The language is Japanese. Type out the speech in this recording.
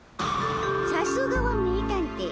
さすがは名探偵。